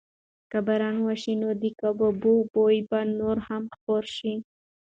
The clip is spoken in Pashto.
که باران وشي نو د کبابو بوی به نور هم خپور شي.